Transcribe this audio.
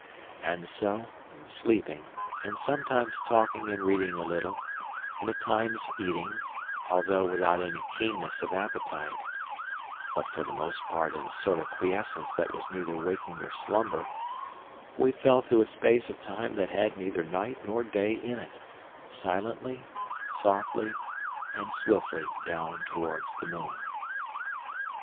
And so, sleeping, and sometimes talking and reading a little, and at times eating, although without any keenness of appetite, but for the most part in a sort of quiescence that was neither waking nor slumber, we fell through a space of time that had neither night nor day in it, silently, softly, and swiftly down towards the moon.